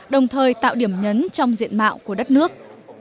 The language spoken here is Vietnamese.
đồng thời tạo điểm nhấn trong diện mạo của đất nước